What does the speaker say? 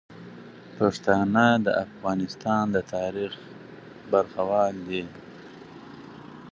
پښتانه د افغانستان د تاریخ برخوال دي.